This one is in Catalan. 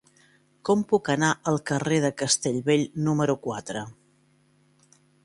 Com puc anar al carrer de Castellbell número quatre?